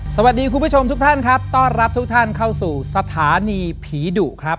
คุณผู้ชมทุกท่านครับต้อนรับทุกท่านเข้าสู่สถานีผีดุครับ